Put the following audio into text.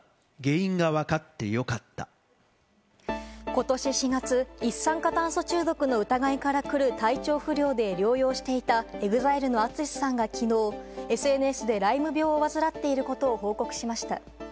ことし４月、一酸化炭素中毒の疑いからくる体調不良で療養していた、ＥＸＩＬＥのＡＴＳＵＳＨＩさんが、きのうＳＮＳでライム病を患っていることを報告しました。